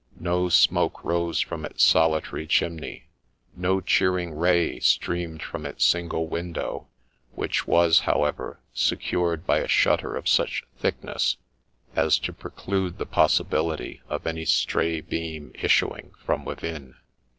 No smoke rose from its solitary chimney ; no cheering ray streamed from its single window, which was, however, secured by a shutter of such thick ness as to preclude the possibility of any stray beam issuing from within.